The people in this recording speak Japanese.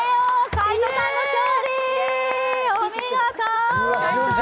海音さんの勝利、お見事！